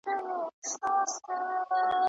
اته جمع دوه؛ لس کېږي.